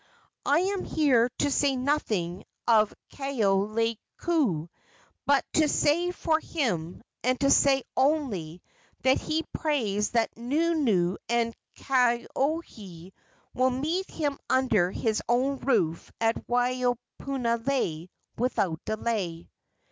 "I am here to say nothing of Kaoleioku, but to say for him, and to say only, that he prays that Nunu and Kakohe will meet him under his own roof at Waipunalei without delay."